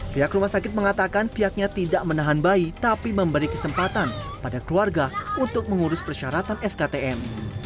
pihak rumah sakit mengatakan pihaknya tidak menahan bayi tapi memberi kesempatan pada keluarga untuk mengurus persyaratan sktm